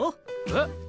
えっ？